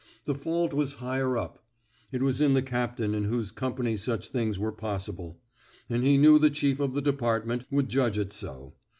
The fault was higher up ; it was in the captain in whose company such things were possible; and he knew the chief of the department would judge it so.